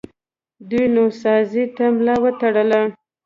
دوی نوسازۍ ته ملا وتړله